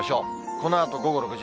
このあと午後６時。